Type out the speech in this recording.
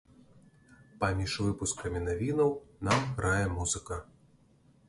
Паміж выпускамі навінаў там грае музыка.